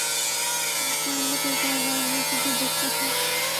میں اس معاملے کوایک اور زاویے سے بھی دیکھتا تھا۔